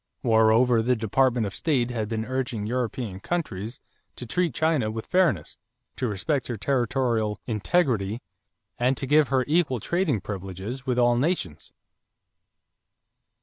Moreover, the Department of State had been urging European countries to treat China with fairness, to respect her territorial integrity, and to give her equal trading privileges with all nations.